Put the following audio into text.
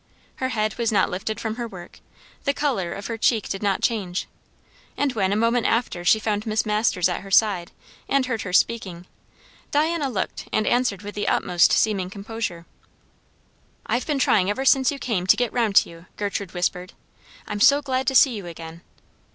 Her head was not lifted from her work; the colour of her cheek did not change; and when a moment after she found Miss Masters at her side, and heard her speaking, Diana looked and answered with the utmost seeming composure. "I've been trying ever since you came to get round to you," Gertrude whispered. "I'm so glad to see you again."